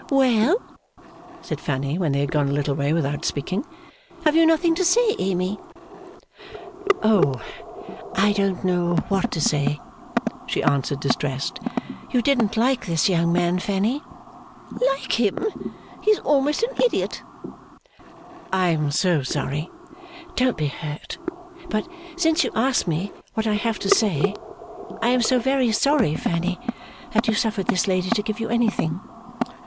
'Well?' said Fanny, when they had gone a little way without speaking. 'Have you nothing to say, Amy?' 'Oh, I don't know what to say!' she answered, distressed. 'You didn't like this young man, Fanny?' 'Like him? He is almost an idiot.' 'I am so sorry don't be hurt but, since you ask me what I have to say, I am so very sorry, Fanny, that you suffered this lady to give you anything.